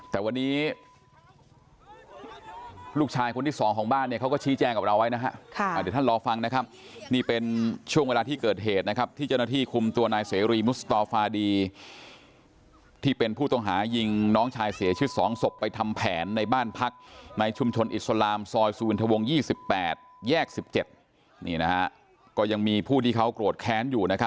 แต่วันนี้ลูกชายคนที่๒ของบ้านเนี่ยเขาก็ชี้แจ้งกับเราไว้นะฮะเดี๋ยวท่านรอฟังนะครับนี่เป็นช่วงเวลาที่เกิดเหตุนะครับที่เจ้าหน้าที่คุมตัวนายเสรีมุสตฟาดีที่เป็นผู้ต้องหายิงน้องชายเสียชีวิต๒ศพไปทำแผนในบ้านพักในชุมชนอิสลามซอยสุวินทวง๒๘แยก๑๗นี่นะฮะก็ยังมีผู้ที่เขาโกรธแค้นอยู่